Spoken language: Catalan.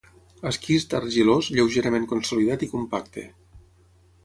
Esquist argilós lleugerament consolidat i compacte.